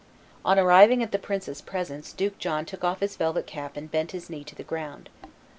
On arriving at the prince's presence Duke John took off his velvet cap and bent his knee to the ground.